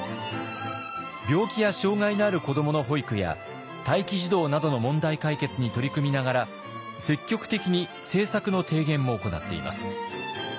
病気や障害のある子どもの保育や待機児童などの問題解決に取り組みながら積極的に政策の提言も行っています。